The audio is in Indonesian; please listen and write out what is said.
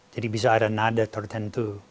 jadi bisa ada nada tertentu